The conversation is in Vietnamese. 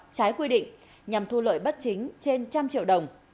trái quy định nhằm thu lợi bất chính trên một trăm linh triệu đồng